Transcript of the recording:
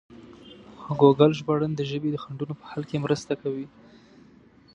ګوګل ژباړن د ژبې د خنډونو په حل کې مرسته کوي.